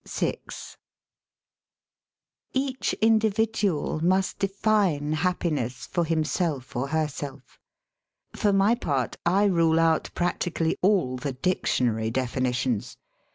^ Each individual must define happiness for him self or herself. For my part, I rule out prac tically all the dictionary definitions.